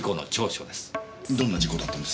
どんな事故だったんです？